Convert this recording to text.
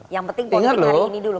yang penting politik hari ini dulu